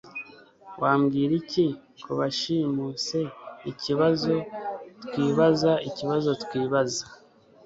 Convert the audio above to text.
Wambwira iki ku bashimuseikibazo twibaza ikibazo twibaza